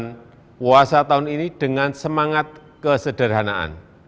dan puasa tahun ini dengan semangat kesederhanaan